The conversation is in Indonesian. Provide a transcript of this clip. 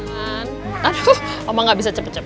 aduh mama gak bisa cepet cepet